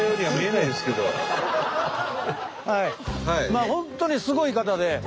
まあ本当にすごい方で。